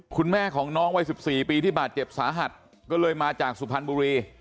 คุณแม่ของน้องวัย๑๔ปีที่บาดเจ็บสาหัสก็เลยมาจากสุพรรณบุรี